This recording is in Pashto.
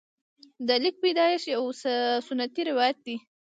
د لیک د پیدایښت یو سنتي روایت دی.